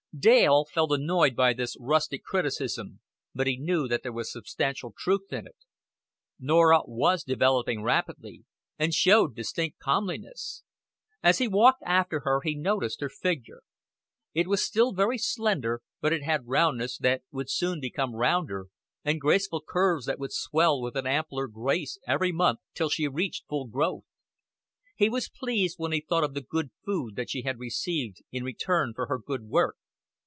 Dale felt annoyed by this rustic criticism, but he knew that there was substantial truth in it. Norah was developing rapidly, and showed distinct comeliness. As he walked after her he noticed her figure. It was still very slender, but it had roundnesses that would soon become rounder, and graceful curves that would swell with an ampler grace every month till she reached full growth. He was pleased when he thought of the good food that she had received in return for her good work.